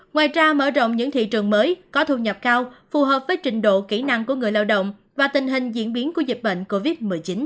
ngoài ra mở rộng những thị trường mới có thu nhập cao phù hợp với trình độ kỹ năng của người lao động và tình hình diễn biến của dịch bệnh covid một mươi chín